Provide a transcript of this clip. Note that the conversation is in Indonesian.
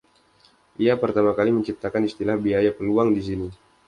Ia pertama kali menciptakan istilah biaya peluang di sini.